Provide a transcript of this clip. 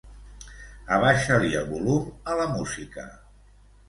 Abaixa-li el volum a la música.